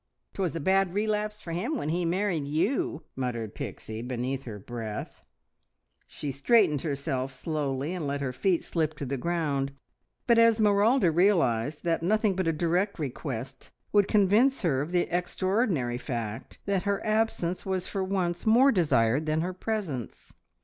"'Twas a bad relapse for him when he married you!" muttered Pixie beneath her breath. She straightened herself slowly and let her feet slip to the ground, but Esmeralda realised that nothing but a direct request would convince her of the extraordinary fact that her absence was for once more desired than her presence.